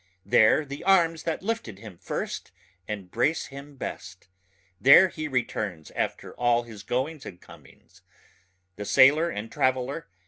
there the arms that lifted him first and brace him best ... there he returns after all his goings and comings. The sailor and traveller ...